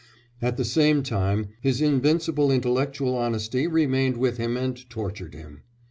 At the same time his invincible intellectual honesty remained with him and tortured him.